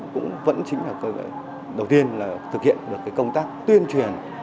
cũng vẫn chính là đầu tiên là thực hiện được công tác tuyên truyền